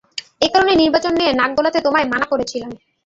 একারণেই নির্বাচন নিয়ে নাক গলাতে তোমায় মানা করেছিলাম।